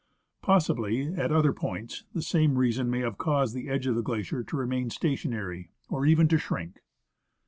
Possibly, at other points, the same reason may have caused the edge of the glacier to remain stationary, or even to shrink.